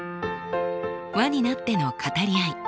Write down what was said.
輪になっての語り合い。